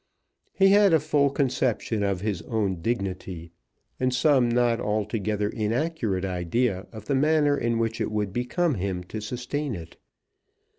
He had a full conception of his own dignity, and some not altogether inaccurate idea of the manner in which it would become him to sustain it.